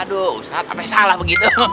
aduh ustadz apa yang salah begitu